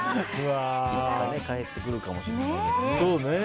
いつか返ってくるかもしれないので。